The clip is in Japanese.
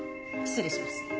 失礼します。